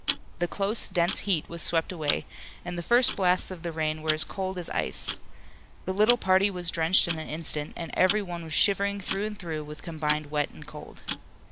The close, dense heat was swept away, and the first blasts of the rain were as cold as ice. The little party was drenched in an instant, and every one was shivering through and through with combined wet and cold.